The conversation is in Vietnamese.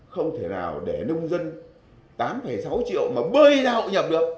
không thể nào để nông dân tám sáu triệu mà bơi ra hội nhập được